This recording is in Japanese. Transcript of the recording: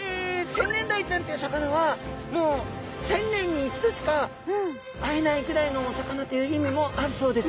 センネンダイちゃんという魚はもう１０００年に１度しか会えないぐらいのお魚という意味もあるそうです。